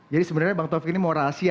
jadi sebenarnya bang taufik ini mau rahasia